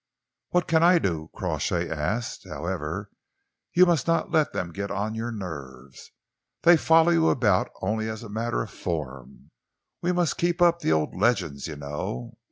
"What can I do?" Crawshay asked. "However, you must not let them get on your nerves. They follow you about only as a matter of form. We must keep up the old legends, you know.